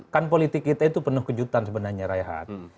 kan politik kita itu penuh kejutan sebenarnya rehat